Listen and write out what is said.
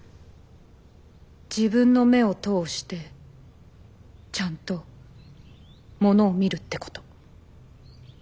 自分の目を通してちゃんとものを見るってこと。